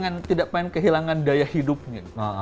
tapi dia tidak pengen kehilangan daya hidupnya